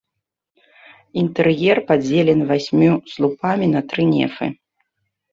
Інтэр'ер падзелены васьмю слупамі на тры нефы.